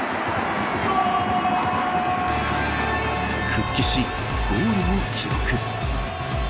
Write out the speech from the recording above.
復帰しゴールを記録。